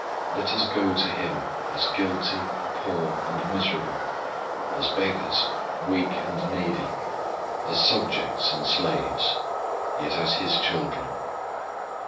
Let us go to Him as guilty, poor, and miserable, as beggars, weak and needy, as subjects and slaves, yet as His children.